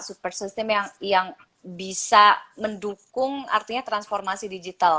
support system yang bisa mendukung artinya transformasi digital